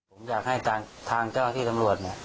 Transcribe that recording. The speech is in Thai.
ผมอยากให้ทางเจ้าที่ตำรวจเนี่ย